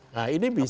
nah ini bisa